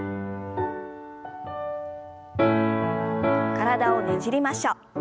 体をねじりましょう。